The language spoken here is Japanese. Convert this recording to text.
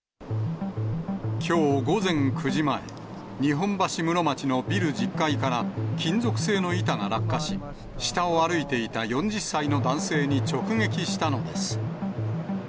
きょう午前９時前、日本橋室町のビル１０階から金属製の板が落下し、下を歩いていた４０歳の男性に直撃したのです。